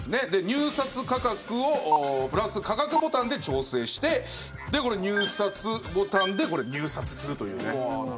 入札価格をプラス価格ボタンで調整して入札ボタンで入札する。